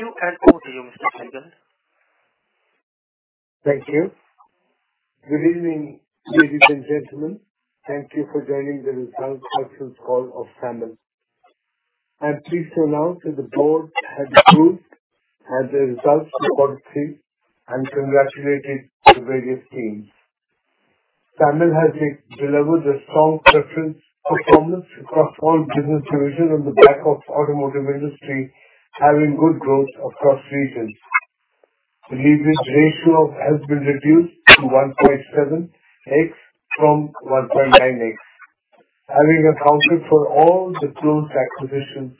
Could you echo to your Mr. Sehgal? Thank you. Good evening, ladies and gentlemen. Thank you for joining the results actual call of Motherson. I'm pleased to announce that the board has approved and the results for quarter three and congratulated the various teams. Motherson has delivered a strong reference performance across all business divisions on the back of automotive industry, having good growth across regions. The leverage ratio of has been reduced to 1.7x from 1.9x. Having accounted for all the closed acquisitions,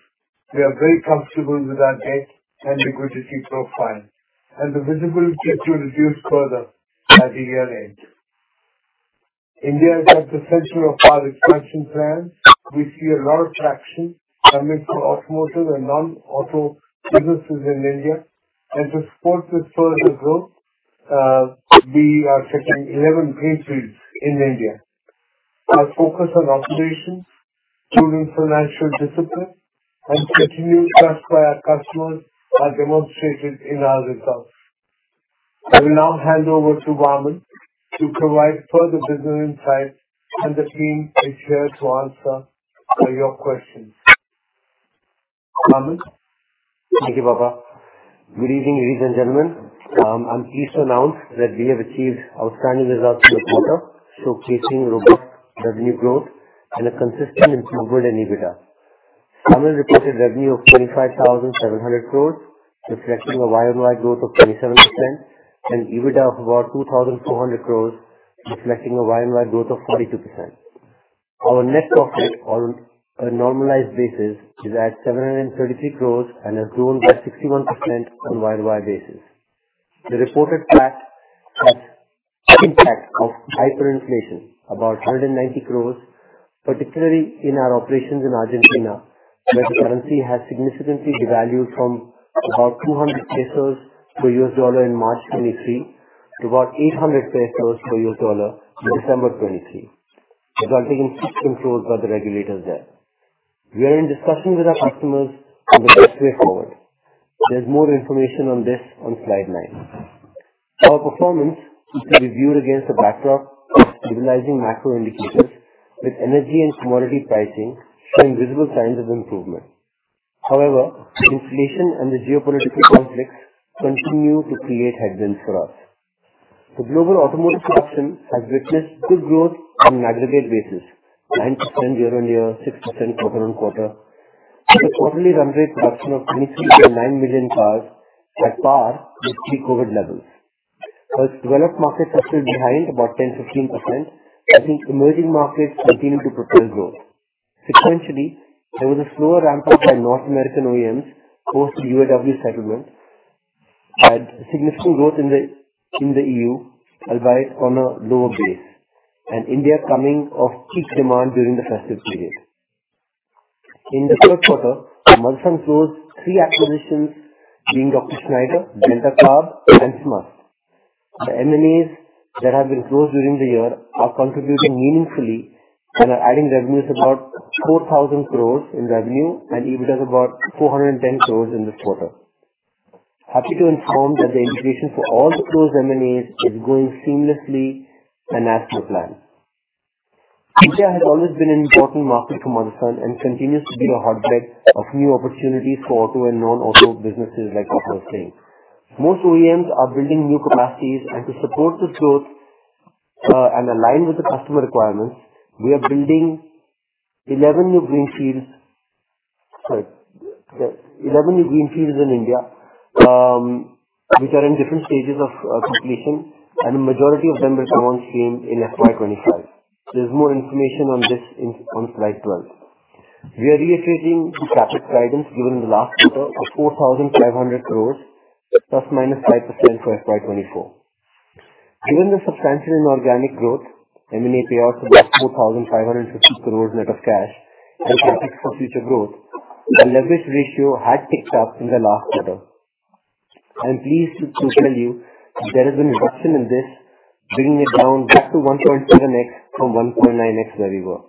we are very comfortable with our debt and liquidity profile, and the visibility should reduce further at the year-end. India is at the center of our expansion plan. We see a lot of traction amidst the automotive and non-auto businesses in India, and to support this further growth, we are setting 11 greenfields in India. Our focus on operations, improving financial discipline, and continued trust by our customers are demonstrated in our results. I will now hand over to Vaaman to provide further business insight, and the team is here to answer your questions. Vaaman? Thank you, Baba. Good evening, ladies and gentlemen. I'm pleased to announce that we have achieved outstanding results for the quarter, showcasing robust revenue growth and a consistent improvement in EBITDA. Samvardhana Motherson reported revenue of 25,700 crore, reflecting a YOY growth of 27% and EBITDA of about 2,400 crore, reflecting a YOY growth of 42%. Our net profit on a normalized basis is at 733 crore and has grown by 61% on YOY basis. The reported tax has impact of hyperinflation, about 190 crore, particularly in our operations in Argentina, where the currency has significantly devalued from about 200 pesos per U.S. dollar in March 2023 to about 800 pesos per U.S. dollar in December 2023, resulting in 6 crore by the regulators there. We are in discussions with our customers on the best way forward. There's more information on this on slide nine. Our performance is reviewed against the backdrop of stabilizing macro indicators with energy and commodity pricing showing visible signs of improvement. However, inflation and the geopolitical conflicts continue to create headwinds for us. The global automotive production has witnessed good growth on an aggregate basis, 9% year-on-year, 6% quarter-on-quarter, with a quarterly run rate production of 23.9 million cars at par with pre-COVID levels. As developed markets are still behind about 10-15%, I think emerging markets continue to propel growth. Sequentially, there was a slower ramp up by North American OEMs post the UAW settlement and significant growth in the EU, albeit on a lower base, and India coming off peak demand during the festive period. In the third quarter, Motherson closed three acquisitions, being Dr. Schneider, Deltacarb, and SMA. The M&As that have been closed during the year are contributing meaningfully and are adding revenues about 4,000 crore in revenue and EBITDA about 410 crore in this quarter. Happy to inform that the integration for all the closed M&As is going seamlessly and as per plan. India has always been an important market for Motherson and continues to be a hotbed of new opportunities for auto and non-auto businesses, like I was saying. Most OEMs are building new capacities, and to support this growth, and align with the customer requirements, we are building 11 new greenfields. Sorry, 11 new greenfields in India, which are in different stages of completion, and majority of them will go on stream in FY 2025. There's more information on this in on slide 12. We are reiterating the CapEx guidance given in the last quarter of 4,500 crores ±5% for FY 2024. Given the substantial inorganic growth, M&A payouts of about 4,550 crores net of cash and CapEx for future growth, our leverage ratio had picked up in the last quarter. I'm pleased to tell you there has been a reduction in this, bringing it down back to 1.7x from 1.9x, where we were.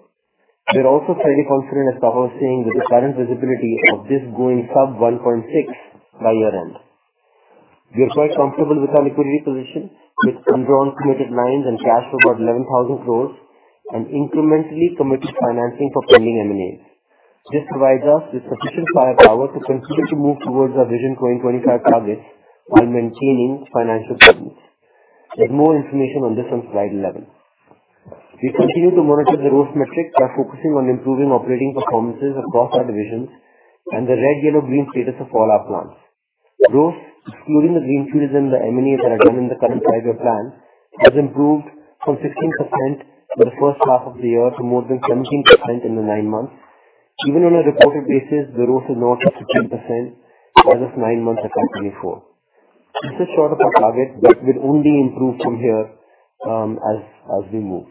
We're also fairly confident, as Baba was saying, with the current visibility of this going sub 1.6 by year-end. We are quite comfortable with our liquidity position with undrawn committed lines and cash of about 11,000 crores and incrementally committed financing for pending M&As. This provides us with sufficient firepower to consistently move towards our Vision 2025 targets while maintaining financial discipline. There's more information on this on slide 11. We continue to monitor the growth metrics by focusing on improving operating performances across our divisions and the red, yellow, green status of all our plants. Growth, excluding the greenfields and the M&As that are done in the current five-year plan, has improved from 16% in the first half of the year to more than 17% in the nine months. Even on a reported basis, the growth is north of 15% as of nine months of FY24. This is short of our target, but will only improve from here, as we move.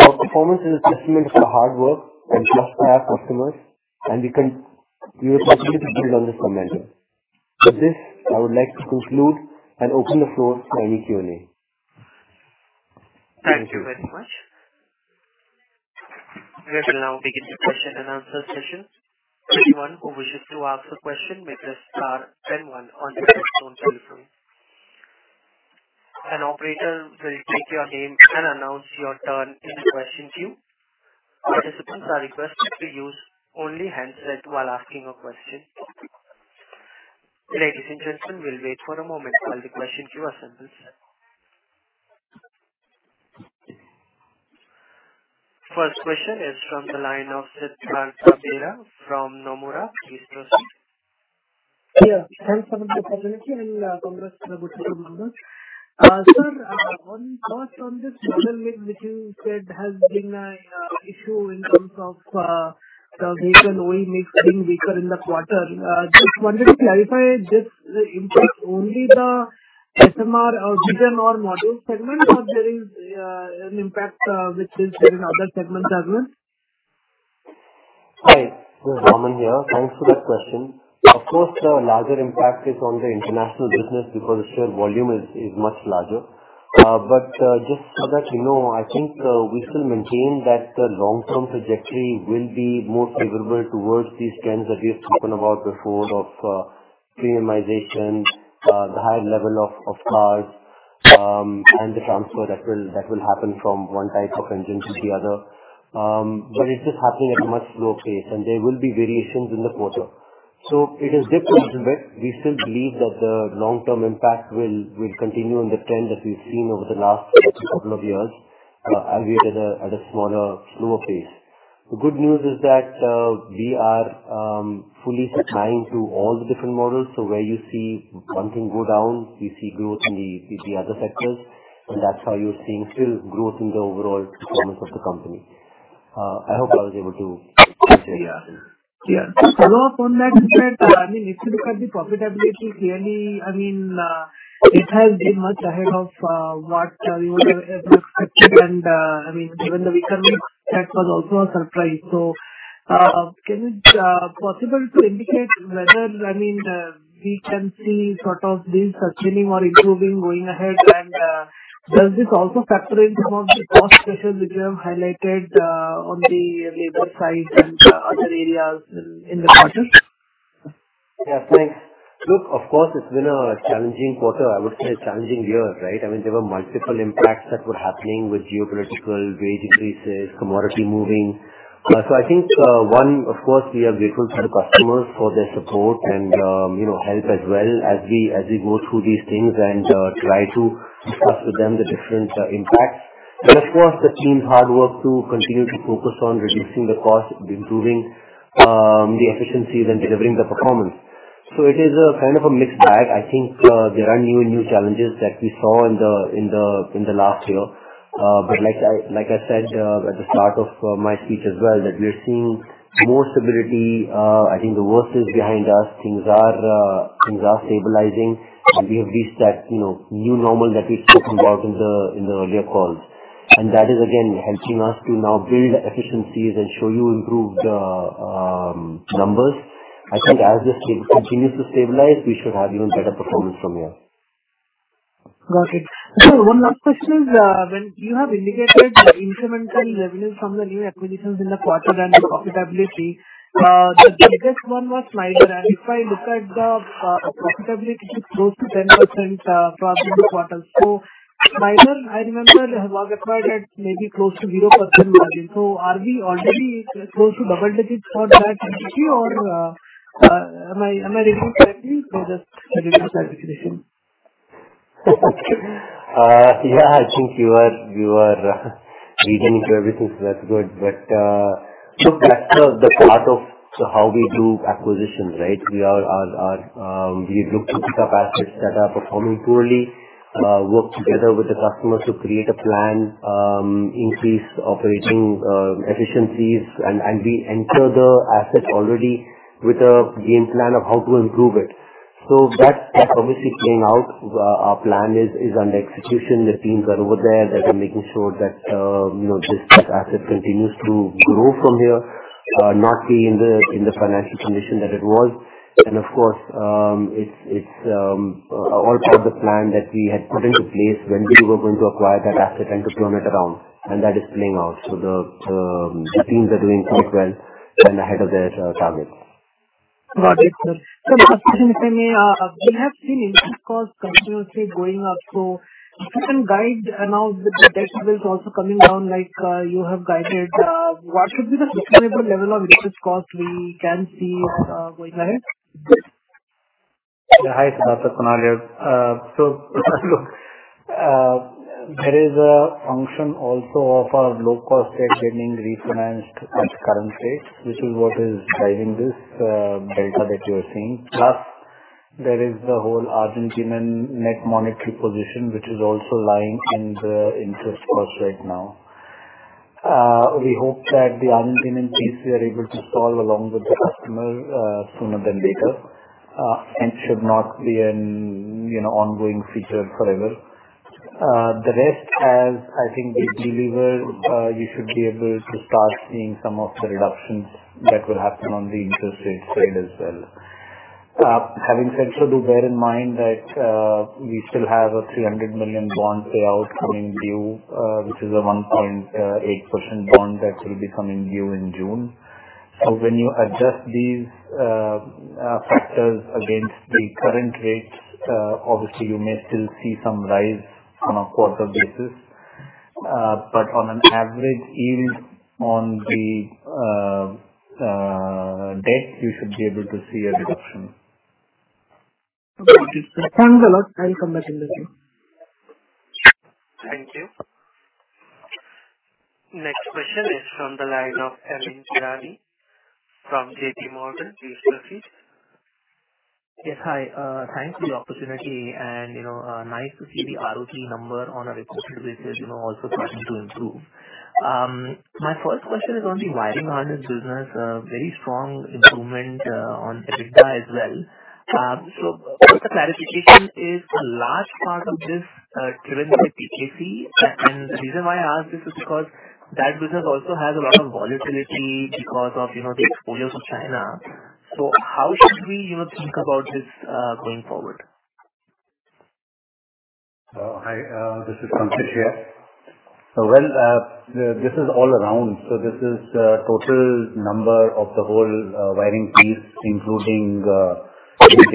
Our performance is a testament to the hard work and trust by our customers, and we are excited to build on this momentum. With this, I would like to conclude and open the floor for any Q&A. Thank you very much.... We will now begin the question and answer session. Anyone who wishes to ask a question may press star then one on your telephone. An operator will take your name and announce your turn in the question queue. Participants are requested to use only handset while asking a question. Ladies and gentlemen, we'll wait for a moment while the question queue assembles. First question is from the line of Siddhartha Bera from Nomura. Please proceed. Yeah, thanks for the opportunity, and, congrats to the good members. Sir, first, on this segment, which you said has been an issue in terms of the vehicle OE mix being weaker in the quarter. Just wanted to clarify, does this impact only the SMR or SMP model segment or there is an impact which is there in other segments as well? Hi, Vaaman here. Thanks for that question. Of course, the larger impact is on the international business because their volume is much larger. But just so that you know, I think we still maintain that the long-term trajectory will be more favorable towards these trends that we have spoken about before of premiumization, the high level of cars, and the transfer that will happen from one type of engine to the other. But it's just happening at a much slower pace, and there will be variations in the quarter. So it has dipped a little bit. We still believe that the long-term impact will continue on the trend that we've seen over the last couple of years, and we are at a smaller, slower pace. The good news is that we are fully supplying to all the different models. So where you see one thing go down, we see growth in the other sectors, and that's how you're seeing still growth in the overall performance of the company. I hope I was able to answer your question. Yeah. To follow up on that, I mean, if you look at the profitability, clearly, I mean, it has been much ahead of what we would have expected and, I mean, even the weaker mix, that was also a surprise. So, is it possible to indicate whether, I mean, we can see sort of things sustaining or improving going ahead? And, does this also factor in some of the cost pressures which you have highlighted, on the labor side and other areas in the quarter? Yeah, thanks. Look, of course, it's been a challenging quarter. I would say a challenging year, right? I mean, there were multiple impacts that were happening with geopolitical, wage increases, commodity moving. So I think, one, of course, we are grateful to the customers for their support and, you know, help as well, as we, as we go through these things and, try to discuss with them the different, impacts. But of course, the team's hard work to continue to focus on reducing the cost, improving, the efficiencies and delivering the performance. So it is a kind of a mixed bag. I think, there are new and new challenges that we saw in the last year. But like I said at the start of my speech as well, that we are seeing more stability. I think the worst is behind us. Things are stabilizing, and we have reached that, you know, new normal that we spoke about in the earlier calls. And that is, again, helping us to now build efficiencies and show you improved numbers. I think as this continues to stabilize, we should have even better performance from here. Got it. So one last question is, when you have indicated the incremental revenue from the new acquisitions in the quarter and the profitability, the biggest one was Dr. Schneider, and if I look at the profitability, it's close to 10%, profitable quarter. So Dr. Schneider, I remember, was acquired at maybe close to 0% margin. So are we already close to double digits for that activity or, am I, am I reading correctly? So just a little clarification. Yeah, I think you are reading through everything, so that's good. But, so that's the part of how we do acquisitions, right? We look to pick up assets that are performing poorly, work together with the customers to create a plan, increase operating efficiencies, and we enter the asset already with a game plan of how to improve it. So that is obviously playing out. Our plan is under execution. The teams are over there that are making sure that, you know, this, that asset continues to grow from here, not be in the financial condition that it was. Of course, it's all part of the plan that we had put into place when we were going to acquire that asset and to turn it around, and that is playing out. The teams are doing quite well and ahead of their targets. Got it, sir. So next question, we have seen interest cost continuously going up, so if you can guide now with the debt levels also coming down, like, you have guided, what should be the sustainable level of interest cost we can see, going ahead? Hi, Kunal here. So, there is a function also of our low-cost debt getting refinanced at current rates, which is what is driving this, Deltacarb that you're seeing. Plus, there is the whole Argentinian net monetary position, which is also lying in the interest cost right now. We hope that the Argentinian piece we are able to solve along with the customer, sooner than later, and should not be an, you know, ongoing feature forever. The rest, as I think we delivered, you should be able to start seeing some of the reductions that will happen on the interest rate side as well. Having said so, do bear in mind that, we still have a $300 million bonds payout coming due, which is a 1.8% bond that will be coming due in June. When you adjust these factors against the current rates, obviously, you may still see some rise on a quarter basis. But on an average yield on the debt, you should be able to see a reduction. Okay. Thanks a lot. I'll come back in the queue. Thank you. Next question is from the line of Amyn Pirani from JPMorgan. Please proceed. Yes, hi. Thanks for the opportunity and, you know, nice to see the ROCE number on a recorded basis, you know, also starting to improve. My first question is on the wiring harness business, a very strong improvement on EBITDA as well. So the clarification is, a large part of this driven by PKC? And the reason why I ask this is because that business also has a lot of volatility because of, you know, the exposure to China. So how should we, you know, think about this going forward? Hi, this is Santosh here. Well, this is all around, so this is the total number of the whole wiring piece, including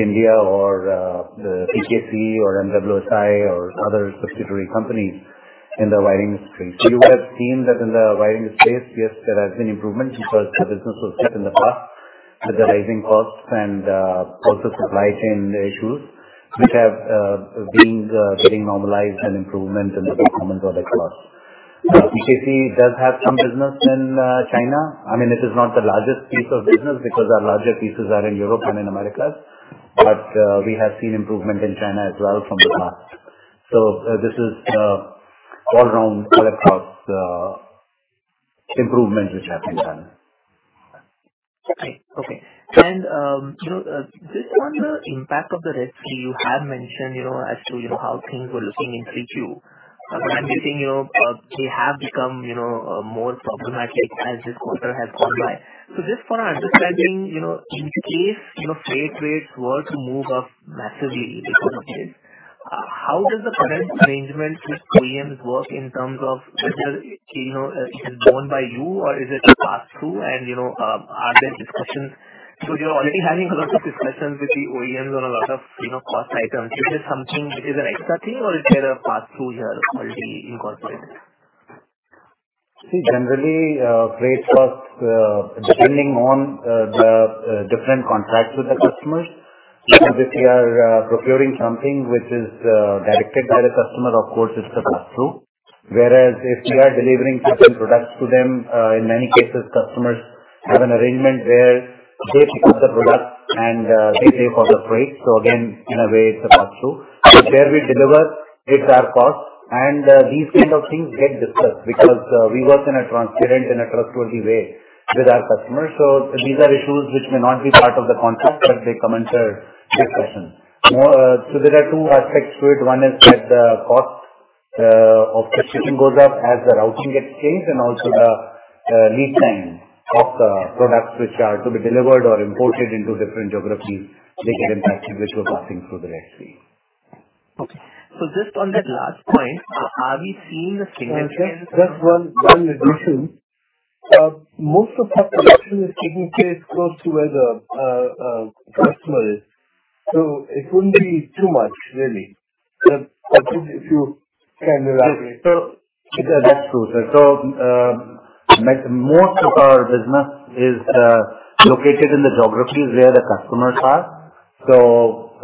India or the PKC or MWSI or other subsidiary companies in the wiring space. So you have seen that in the wiring space, yes, there has been improvement because the business was hit in the past with the rising costs and also supply chain issues, which have been getting normalized and improvement in the components of the cost. PKC does have some business in China. I mean, this is not the largest piece of business, because our larger pieces are in Europe and in Americas, but we have seen improvement in China as well from the past. So this is all around across improvements which have been done. Okay. Okay. And, you know, just on the impact of the risk, you had mentioned, you know, as to, you know, how things were looking in Q2. But I'm guessing, you know, they have become, you know, more problematic as this quarter has gone by. So just for our understanding, you know, in case, you know, freight rates were to move up massively because of this, how does the current arrangement with OEMs work in terms of whether, you know, it's owned by you or is it a pass-through? And, you know, are there discussions, so you're already having a lot of discussions with the OEMs on a lot of, you know, cost items. Is this something which is an extra thing or is there a pass-through here already incorporated? See, generally, freight costs, depending on the different contracts with the customers, if we are procuring something which is directed by the customer, of course, it's a pass-through. Whereas if we are delivering certain products to them, in many cases, customers have an arrangement where they pick up the product and they pay for the freight. So again, in a way, it's a pass-through. Where we deliver, it's our cost. And these kind of things get discussed because we work in a transparent and a trustworthy way with our customers. So these are issues which may not be part of the contract, but they come under discussion. So there are two aspects to it. One is that the cost of transportation goes up as the routing gets changed, and also the lead time of the products which are to be delivered or imported into different geographies, they get impacted, which we're passing through the next week. Okay. So just on that last point, are we seeing the- Just one addition. Most of our production is taking place close to where the customer is, so it wouldn't be too much really. Kunal, if you can elaborate. So that's true, sir. So, like, most of our business is located in the geographies where the customers are. So,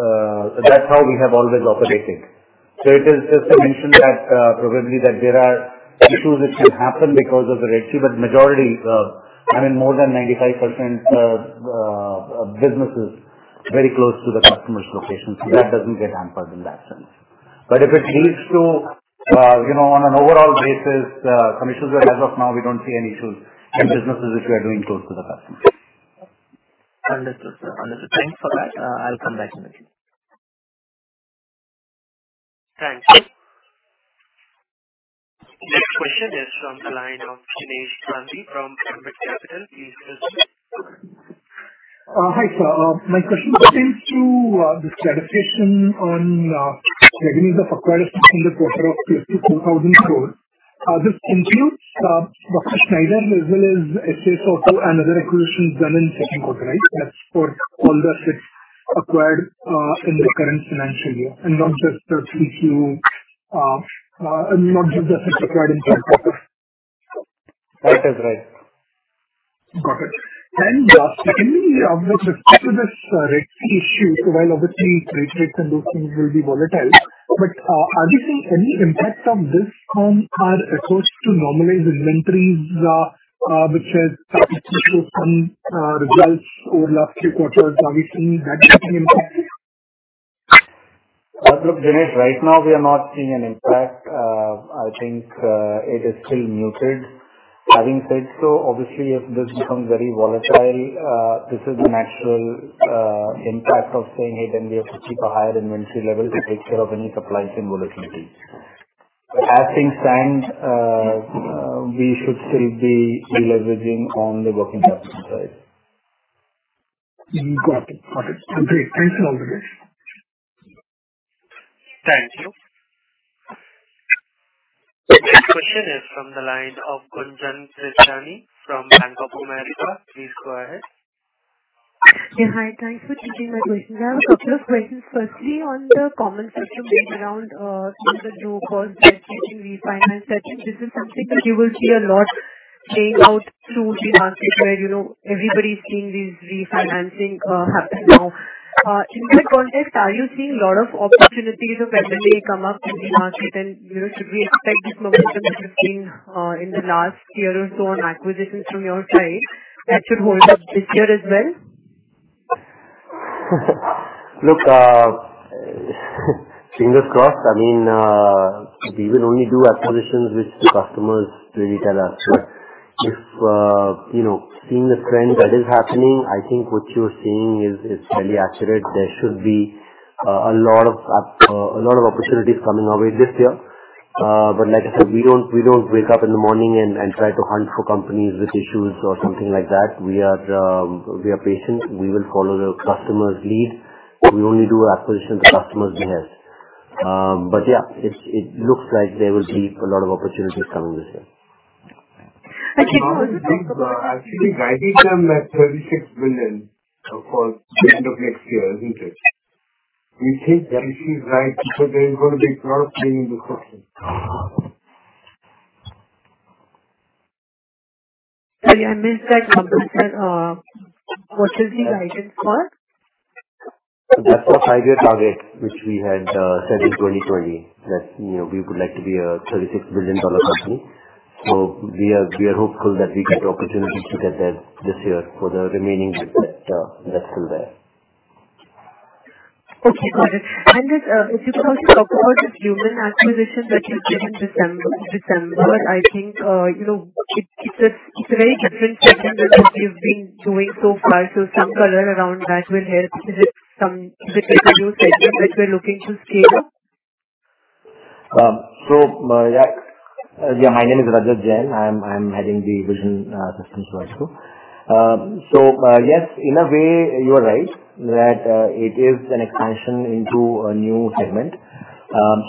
that's how we have always operated. So it is just to mention that, probably that there are issues which can happen because of the ratio, but majority, I mean, more than 95% of business is very close to the customer's location, so that doesn't get hampered in that sense. But if it leads to, you know, on an overall basis, commissions, as of now, we don't see any issues in businesses which we are doing close to the customer. Understood, sir. Understood. Thanks for that. I'll come back to you. Thanks. Next question is from the line of Jinesh Gandhi from Ambit Capital. Please proceed. Hi, sir. My question pertains to the clarification on revenues acquired in the quarter of 2024. This includes Schneider as well as SAS and other acquisitions done in second quarter, right? That's for all the assets acquired in the current financial year, and not just Q2 and not just assets acquired in third quarter. That is right. Got it. And, secondly, obviously with this, rate issue, so while obviously trade rates and those things will be volatile, but, are we seeing any impact of this from our efforts to normalize inventories, which has shown some, results over the last three quarters? Are we seeing that having impact? Look, Jinesh, right now we are not seeing an impact. I think, it is still muted. Having said so, obviously, if this becomes very volatile, this is the natural, impact of saying, "Hey, then we have to keep a higher inventory level to take care of any supplies and volatility.... As things stand, we should still be leveraging on the working capital side. Mm, got it, got it. Great! Thanks a lot for this. Thank you. The next question is from the line of Gunjan Prithyani from Bank of America Securities. Please go ahead. Yeah, hi. Thanks for taking my questions. I have a couple of questions. Firstly, on the common system based around things that you called refinancing, refinance, I think this is something that you will see a lot playing out through the market where, you know, everybody's seeing this refinancing happen now. In that context, are you seeing a lot of opportunities of M&A come up in the market? And, you know, should we expect this momentum that has been in the last year or so on acquisitions from your side, that should hold up this year as well? Look, fingers crossed. I mean, we will only do acquisitions, which the customers really tell us. But if, you know, seeing the trend that is happening, I think what you're saying is, is fairly accurate. There should be, a lot of opportunities coming our way this year. But like I said, we don't, we don't wake up in the morning and try to hunt for companies with issues or something like that. We are, we are patient. We will follow the customer's lead. We only do acquisitions the customers behalf. But yeah, it's, it looks like there will be a lot of opportunities coming this year. Okay. Actually, guiding them at 36 billion for the end of next year, isn't it? We think that this is right because there is gonna be a lot of thing in the question. Yeah, I missed that number. What is the guidance for? That's a five-year target, which we had set in 2020, that, you know, we would like to be a $36 billion company. So we are hopeful that we get the opportunity to get there this year for the remaining bit that's still there. Okay, got it. If you could talk about the Lumen acquisition that you did in December, December, I think, you know, it, it's a, it's a very different segment that you've been doing so far, so some color around that will help. Is it, is it a new segment that you're looking to scale up? Yeah, my name is Rajat Jain. I'm heading the vision systems vertical. Yes, in a way, you are right, that it is an expansion into a new segment.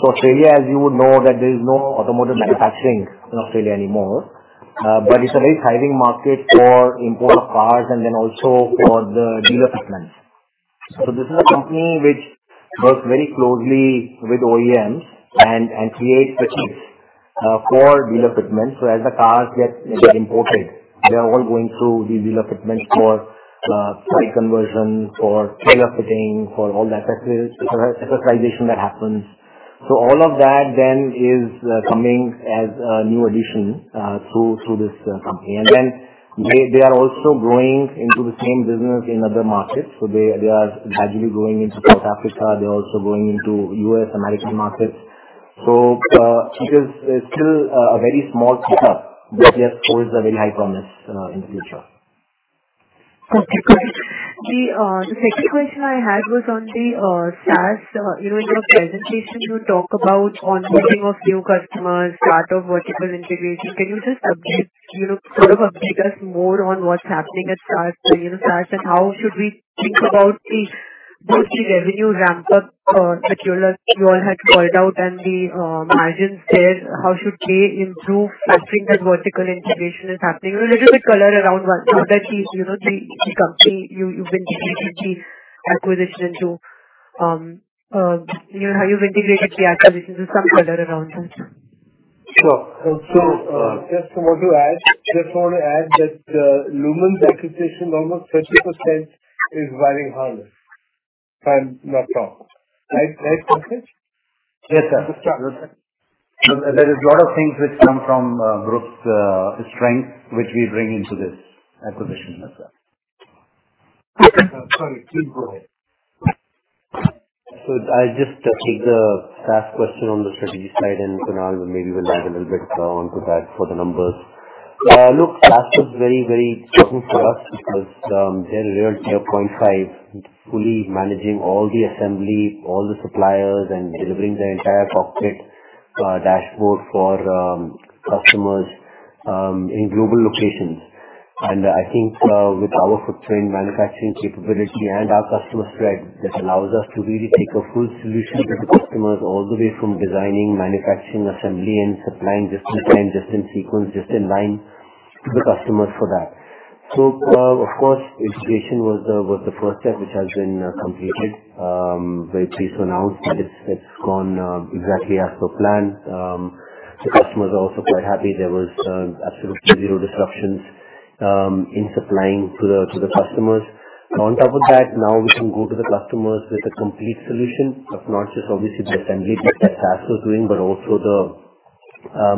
Australia, as you would know, there is no automotive manufacturing in Australia anymore, but it's a very thriving market for import of cars and then also for the dealer equipment. This is a company which works very closely with OEMs and creates the kits for dealer equipment. As the cars get imported, they are all going through the dealer equipment for price conversion, for tailor fitting, for all the accessories, for accessorization that happens. All of that then is coming as a new addition through this company. Then they are also growing into the same business in other markets. So they are gradually growing into South Africa. They're also growing into U.S. American markets. So, it is still a very small setup, but yes, holds a very high promise in the future. Okay, got it. The second question I had was on the SAS. You know, in your presentation, you talk about onboarding of new customers, start of vertical integration. Can you just update, you know, sort of update us more on what's happening at SAS, you know, SAS, and how should we think about both the revenue ramp-up that you all had called out and the margins there? How should they improve as I think that vertical integration is happening? A little bit color around what that is, you know, the company you've been acquisition into, you know, how you've integrated the acquisition with some color around that. Sure. Just want to add that Lumen's acquisition, almost 30%, is running harder. I'm not wrong. Right, right, Rajat? Yes, sir. There is a lot of things which come from Group's strength, which we bring into this acquisition as well. Sorry, please go ahead. So I just took the SAS question on the strategy side, and Kunal maybe will add a little bit onto that for the numbers. Look, SAS is very, very important to us because they're really a 0.5, fully managing all the assembly, all the suppliers, and delivering the entire cockpit dashboard for customers in global locations. And I think with our footprint, manufacturing capability and our customer spread, this allows us to really take a full solution to the customers all the way from designing, manufacturing, assembly, and supplying just-in-time, just-in-sequence, just-in-line to the customers for that. So of course, integration was the first step, which has been completed. Very pleased to announce that it's gone exactly as per planned. The customers are also quite happy. There was absolutely zero disruptions in supplying to the customers. On top of that, now we can go to the customers with a complete solution, of not just obviously the assembly that SAS was doing, but also the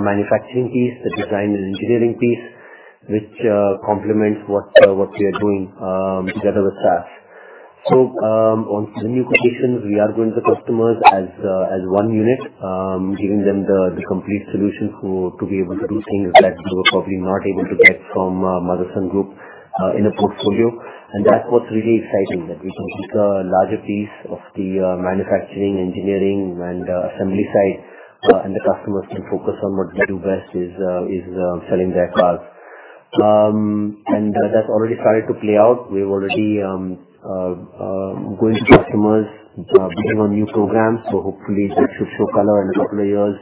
manufacturing piece, the design and engineering piece, which complements what we are doing together with SAS. So, on new conditions, we are going to customers as one unit, giving them the complete solution to be able to do things that they were probably not able to get from Motherson Group in the portfolio, and that's what's really exciting, that we can take a larger piece of the manufacturing, engineering, and assembly side, and the customers can focus on what they do best, is selling their cars. And that's already started to play out. We've already going to customers, bidding on new programs, so hopefully it should show color in a couple of years,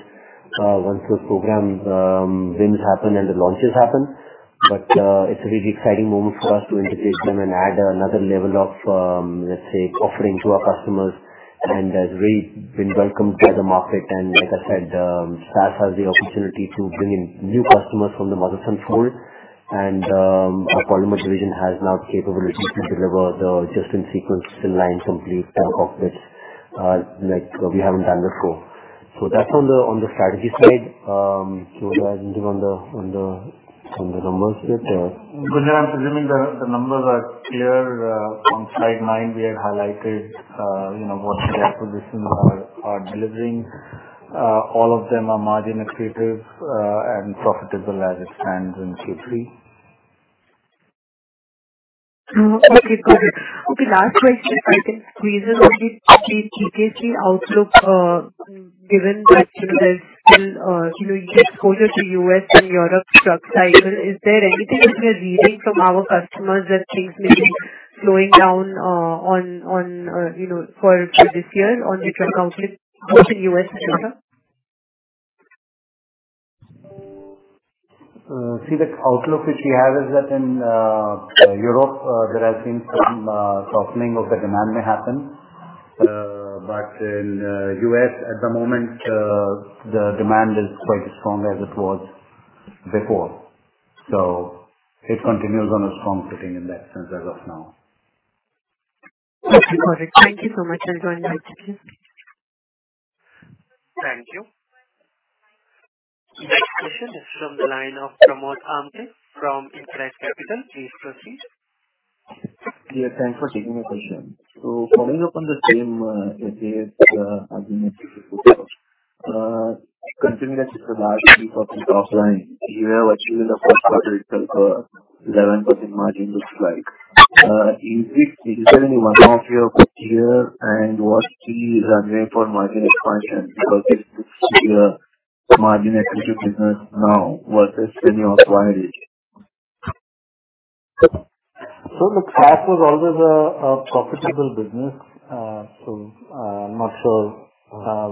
once those programs wins happen and the launches happen. But it's a really exciting moment for us to integrate them and add another level of, let's say, offering to our customers, and has really been welcomed by the market. And like I said, SAS has the opportunity to bring in new customers from the Motherson fold, and our polymer division has now capabilities to deliver the just-in-sequence, in-line, complete cockpits like we haven't done before. So that's on the strategy side. So as on the numbers side there. So I'm assuming the numbers are clear. On slide nine, we had highlighted, you know, what the acquisitions are delivering. All of them are margin accretive, and profitable as it stands in Q3. Okay, perfect. Okay, last question, I think recent will be the Q3 outlook. Given that, you know, there's still, you know, get closer to U.S. and Europe truck cycle, is there anything which we're reading from our customers that things may be slowing down, on the truck outlook for this year both in U.S. and Europe? See, the outlook which we have is that in Europe, there has been some softening of the demand may happen. But in U.S. at the moment, the demand is quite strong as it was before. So it continues on a strong footing in that sense as of now. Okay, got it. Thank you so much. I'll join right back to you. Thank you. Next question is from the line of Pramod Amte from InCred Capital. Please proceed. Yeah, thanks for taking my question. So following up on the same area, as in, continuing with the large piece of the top line, you have achieved a first quarter of 11% margin looks like. Is it usually one of your peak year, and what key is runway for margin expansion, because it's margin accretive business now versus when you acquired it? So the SAS was always a profitable business. So, I'm not sure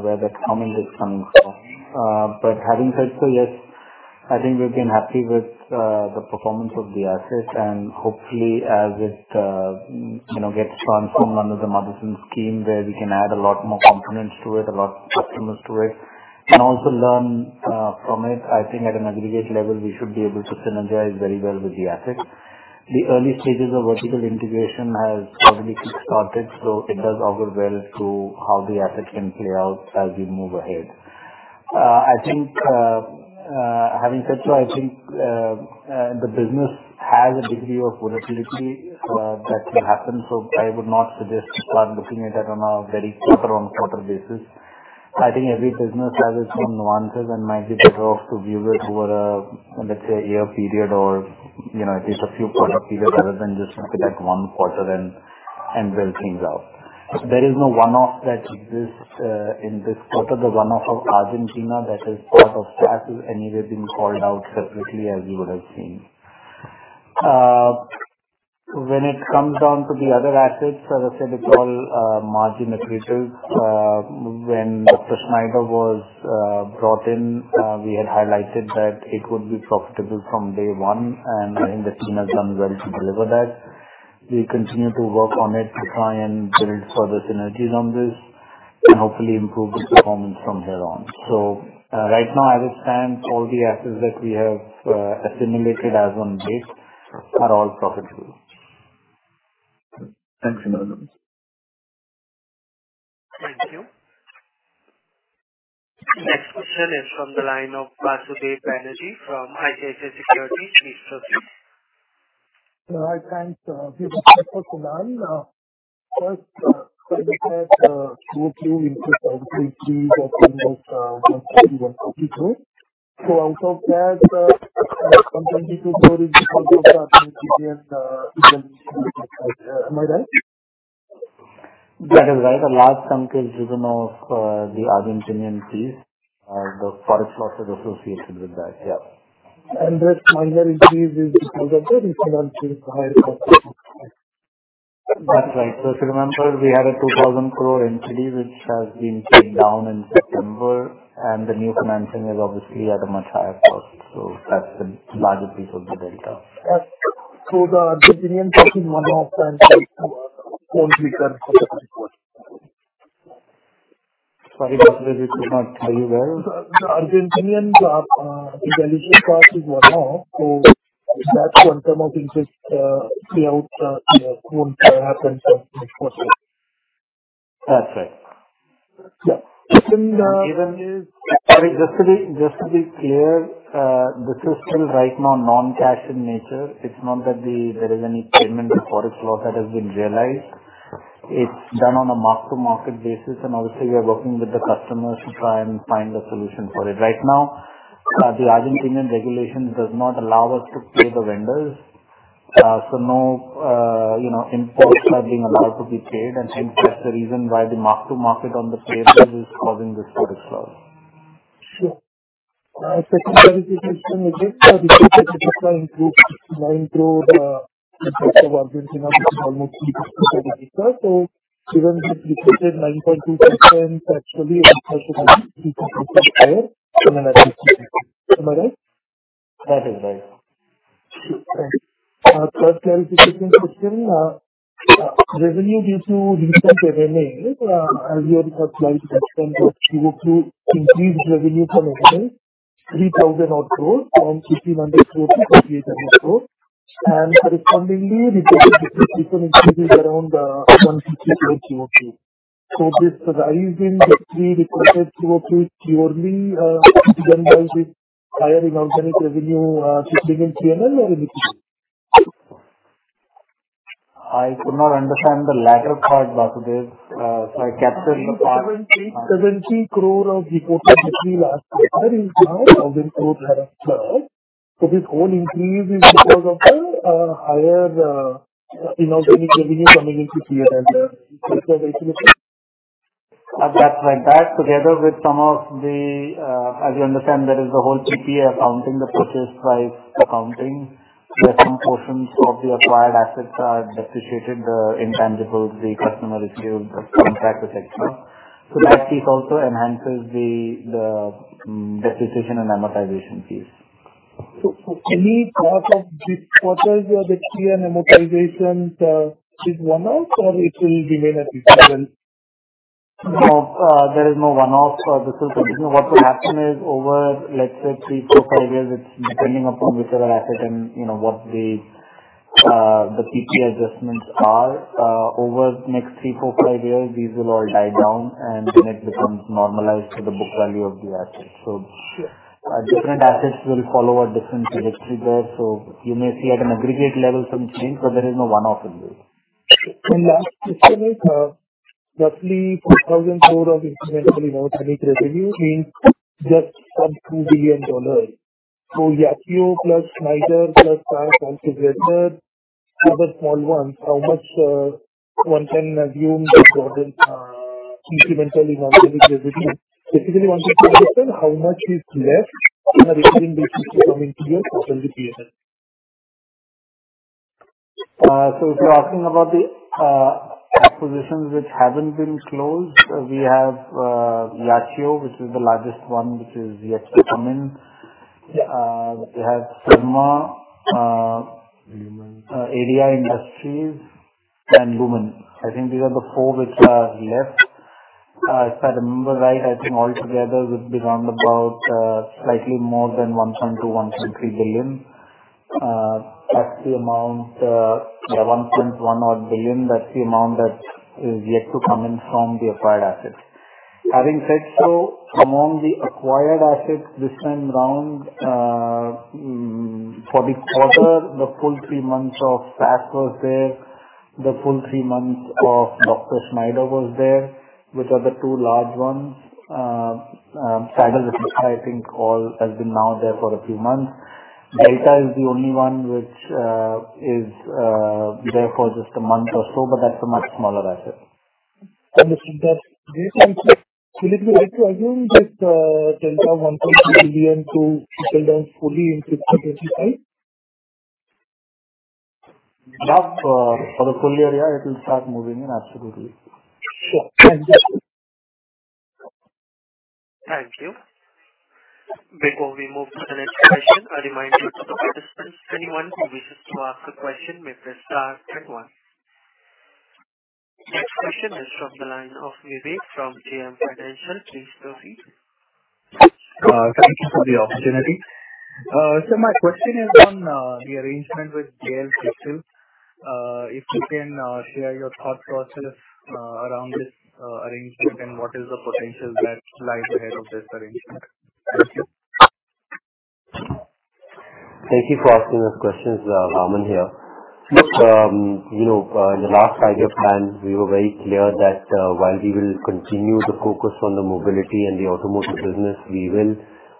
where the comment is coming from. But having said so, yes, I think we've been happy with the performance of the assets, and hopefully as it, you know, gets transformed under the Motherson scheme, where we can add a lot more components to it, a lot of customers to it, and also learn from it, I think at an aggregate level, we should be able to synergize very well with the assets. The early stages of vertical integration has already kick-started, so it does augur well to how the assets can play out as we move ahead. I think, having said so, I think, the business has a degree of volatility that will happen, so I would not suggest start looking at it on a very quarter-on-quarter basis. I think every business has its own nuances and might be better off to view it over a, let's say, a year period or, you know, at least a few quarter period, other than just look at one quarter and, and build things out. There is no one-off that exists in this quarter. The one-off of Argentina that is part of that, has anyway been called out separately, as you would have seen. When it comes down to the other assets, as I said, it's all margin accretive. When Dr. Schneider was brought in, we had highlighted that it would be profitable from day one, and I think the team has done well to deliver that. We continue to work on it to try and build further synergies on this and hopefully improve the performance from here on. So, right now, as it stands, all the assets that we have assimilated as on date are all profitable. Thanks a million. Thank you. Next question is from the line of Basudeb Banerjee from ICICI Securities. Please proceed. Thanks for the line. First, so we had hopefully increase that in this Q3. So out of that, am I right? That is right. The last chunk is driven of the Argentinian piece, the foreign losses associated with that. Yeah. That minor increase is because of the financial higher cost. That's right. So if you remember, we had an 2,000 crore entity which has been paid down in September, and the new financing is obviously at a much higher cost, so that's the larger piece of the delta. The Argentinian taking one-off time for weaker for the report? Sorry, that maybe we could not tell you well. The Argentinian evaluation cost is one-off, so that one-time out interest payout won't happen for next quarter. That's right. Yeah. Just to be, just to be clear, this is still right now non-cash in nature. It's not that there is any payment or foreign loss that has been realized. It's done on a mark-to-market basis, and obviously, we are working with the customers to try and find a solution for it. Right now, the Argentinian regulation does not allow us to pay the vendors. So no, you know, imports are being allowed to be paid, and I think that's the reason why the mark-to-market on the payables is causing this sort of slow. Sure. Second question is, improved, Argentina, almost so given the depleted 9.2% actually. Am I right? That is right. Sure. Third clarification question, revenue due to recent revenue, as you have supplied to them, go through increased revenue from INR 3,000 or more, and INR 1,500-INR 3,800. And correspondingly, the depreciation increases around 150 QoQ. So this rise in the three requested QoQ purely driven by the higher alternate revenue, 15 and three, or anything? I could not understand the latter part, Basudeb. So I captured the part- 70 crore of reported last year, INR 1,000 crore plus. So this whole increase is because of the higher, you know, revenue coming into play then. Is that the solution? That's like that. Together with some of the... As you understand, there is a whole PPA accounting, the purchase price accounting, where some portions of the acquired assets are depreciated, the intangibles, the customer issues, the contract, et cetera. So that piece also enhances the depreciation and amortization piece. So any part of this quarters or the clear amortization, is one-off or it will remain at seven? No, there is no one-off. This is what will happen is over, let's say, 3-5 years, it's depending upon which other asset and, you know, what the PP adjustments are. Over the next 3-5 years, these will all die down, and then it becomes normalized to the book value of the asset. Sure. Different assets will follow a different trajectory there, so you may see at an aggregate level some change, but there is no one-off in there. Last question is, roughly 4,000 crore of incremental revenue being just sub $2 billion. So Yachiyo plus Dr. Schneider plus also greater, other small ones, how much one can assume the incremental is out with revenue? Basically, one question, how much is left on a recurring basis coming to your total GPA? So if you're asking about the acquisitions which haven't been closed, we have Yachiyo, which is the largest one, which is yet to come in. Yeah. We have Cirma, AD Industries and Lumen. I think these are the four which are left. If I remember right, I think altogether it would be around about, slightly more than $1.2 billion-$1.3 billion. That's the amount, yeah, one point one odd billion, that's the amount that is yet to come in from the acquired assets. Having said so, among the acquired assets, this time around, for the quarter, the full three months of SAS was there, the full three months of Dr. Schneider was there, which are the two large ones. I think all has been now there for a few months. Data is the only one which, is, there for just a month or so, but that's a much smaller asset. Understood. That's basically, will it be right to assume that $1.3 billion-$1 billion fully in 50-55? Now, for the full year, it will start moving in, absolutely. Sure. Thank you. Thank you. Before we move to the next question, I remind you to anyone who wishes to ask a question, may press star then one. Next question is from the line of Vivek Kumar from JM Financial. Please proceed. Thank you for the opportunity. My question is on the arrangement with BIEL Crystal. If you can share your thought process around this arrangement and what is the potential that lies ahead of this arrangement? Thank you. Thank you for asking those questions. Armin here. Sure. You know, in the last five years plan, we were very clear that, while we will continue to focus on the mobility and the automotive business, we will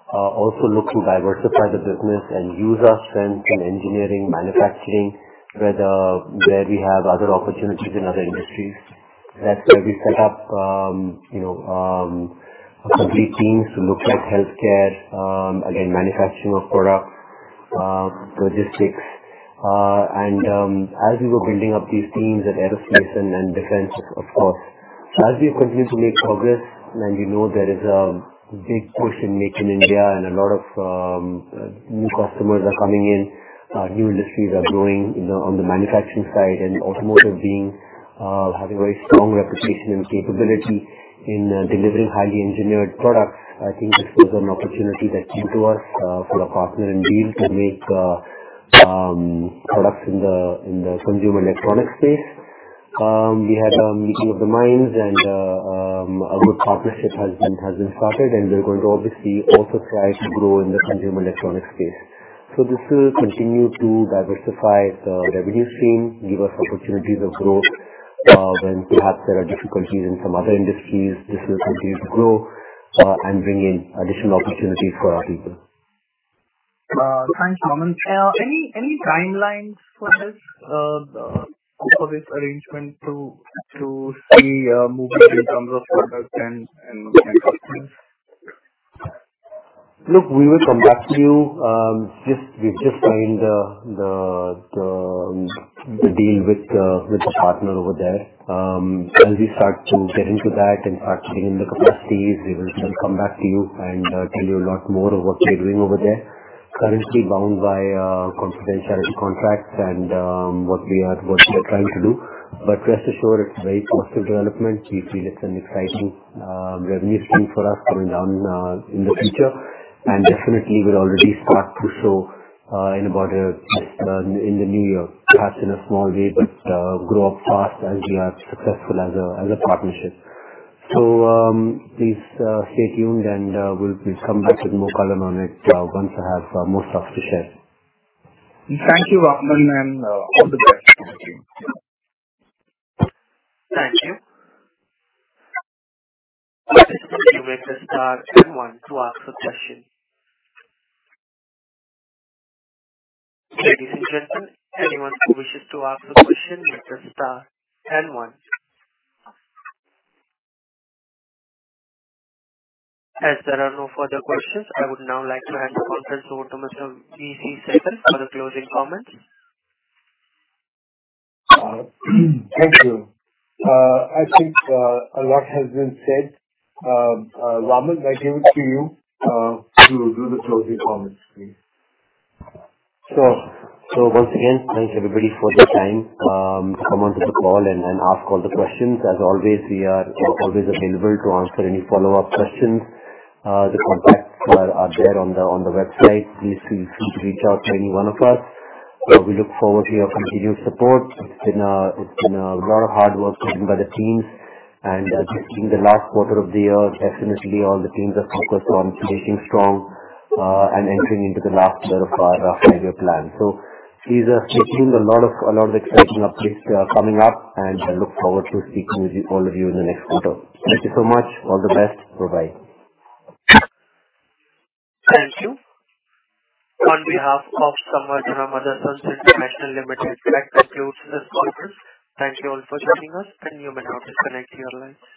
also look to diversify the business and use our strength in engineering, manufacturing, where, where we have other opportunities in other industries. That's where we set up, you know, complete teams to look at healthcare, again, manufacturing of products, logistics, and as we were building up these teams and aerospace and, and defense, of course. So as we continue to make progress, and we know there is a big push in Make in India, and a lot of new customers are coming in, new industries are growing, you know, on the manufacturing side, and automotive being have a very strong reputation and capability in delivering highly engineered products. I think this was an opportunity that came to us through a partner and deal to make products in the consumer electronics space. We had a meeting of the minds, and a good partnership has been started, and we're going to obviously also try to grow in the consumer electronics space.... So this will continue to diversify the revenue stream, give us opportunities of growth, when perhaps there are difficulties in some other industries. This will continue to grow, and bring in additional opportunities for our people. Thanks, Raman. Any timelines for this arrangement to see movement in terms of products and customers? Look, we will come back to you. Just—we've just signed the deal with the partner over there. As we start to get into that and start bringing in the capacities, we will come back to you and tell you a lot more of what we're doing over there. Currently, bound by confidentiality contracts and what we are trying to do. But rest assured, it's a very positive development. We feel it's an exciting revenue stream for us coming down in the future. And definitely we'll already start to show in about in the new year. Perhaps in a small way, but grow up fast as we are successful as a partnership. Please stay tuned, and we'll come back with more color on it once I have more stuff to share. Thank you, Vaaman, and all the best. Thank you. Participants, you may press star and one to ask a question. Ladies and gentlemen, anyone who wishes to ask a question, press star and one. As there are no further questions, I would now like to hand the conference over to Mr. VC Sehgal for the closing comments. Thank you. I think a lot has been said. Vaaman, I give it to you to do the closing comments, please. Sure. So once again, thanks, everybody, for their time. Come onto the call and, and ask all the questions. As always, we are always available to answer any follow-up questions. The contacts are, are there on the, on the website. Please feel free to reach out to any one of us. We look forward to your continued support. It's been a, it's been a lot of hard work done by the teams, and in the last quarter of the year, definitely all the teams are focused on finishing strong, and entering into the last year of our five-year plan. So please, stay tuned. A lot of, a lot of exciting updates are coming up, and I look forward to speaking with you, all of you, in the next quarter. Thank you so much. All the best. Bye-bye. Thank you. On behalf of Samvardhana Motherson International Limited, that concludes this conference. Thank you all for joining us, and you may now disconnect your lines.